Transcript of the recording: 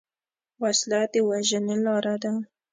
وسله د وژنې لاره ده